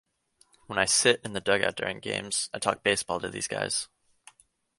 When I sit in the dugout during games, I talk baseball to these guys.